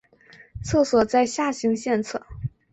厕所在下行线侧。